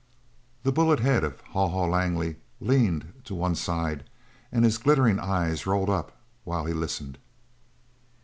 The bullet head of Haw Haw Langley leaned to one side, and his glittering eyes rolled up while he listened.